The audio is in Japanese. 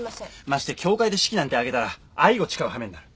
まして教会で式なんて挙げたら愛を誓う羽目になる。